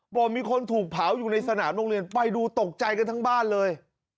บอกมีคนถูกเผาอยู่ในสนามโรงเรียนไปดูตกใจกันทั้งบ้านเลย